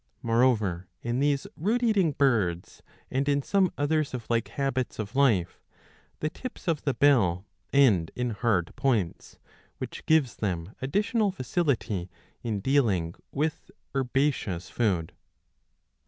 Moreover, in these root eating birds and in some others of like habits of life, the tips of the bill end in hard points, which gives them additional facility in dealing with herbaceous food.